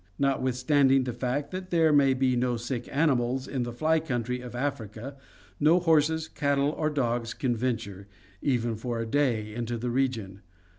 Notwithstanding the fact that there may be no sick animals in the fly country of Africa, no 266 ORGANIC EVOLUTION horses, cattle or dogs can venture, even for a day, into the region.